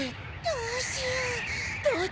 どうしよう？